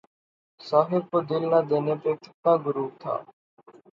صاحب کو دل نہ دینے پہ کتنا غرور تھا